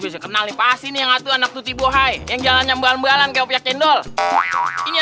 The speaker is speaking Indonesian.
assalamualaikum salam hati hati di jalan jalan pengen apa ya ah ada ada ayo